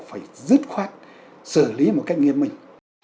phải dứt khoát xử lý một cách nghiêm mình